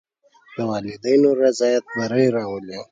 د والدینو رضایت بری راولي.